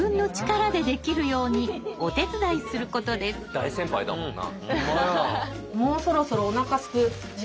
大先輩だもんな。